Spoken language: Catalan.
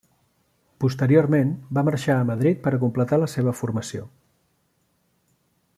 Posteriorment va marxar a Madrid per a completar la seva formació.